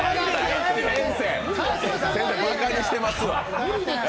ばかにしてますわ。